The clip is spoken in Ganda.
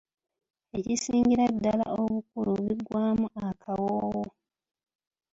Ekisingira ddala obukulu biggwaamu akawoowo.